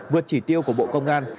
vượt chỉ tiêu của bộ công an